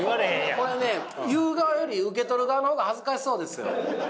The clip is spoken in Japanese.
これはね言う側より受け取る側の方が恥ずかしそうです。